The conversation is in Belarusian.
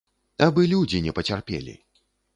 Абы людзі не пацярпелі.